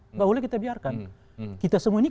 nggak boleh kita biarkan kita semua ini